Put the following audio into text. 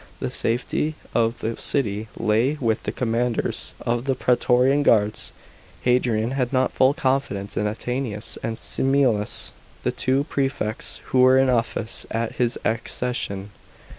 The safety of the city lay with the commanders of the praetorian guards. Hadrian had not full confidence in Attianus and Similis, the two prefects who were in office at his accession.